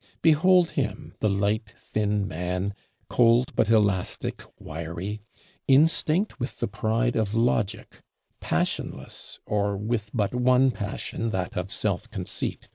Behold him, the light, thin man; cold, but elastic, wiry; instinct with the pride of Logic; passionless, or with but one passion, that of self conceit.